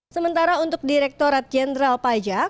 sementara untuk direktorat jenderal pajak